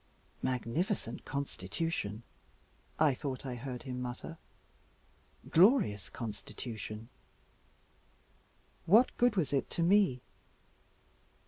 "Magnificent constitution," I thought I heard him mutter, "glorious constitution." What good was it to me?